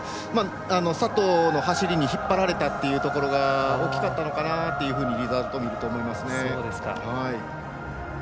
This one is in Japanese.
佐藤の走りに引っ張られたというのが大きかったのかなとリザルト見ると、思いますね。